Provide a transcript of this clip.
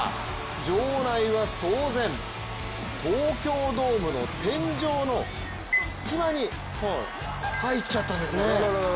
場内は騒然東京ドームの天井の隙間に入っちゃったんですね。